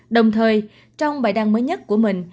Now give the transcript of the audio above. đồng thời trong bài đăng mới nhất của mình